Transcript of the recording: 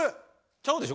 ちゃうでしょ？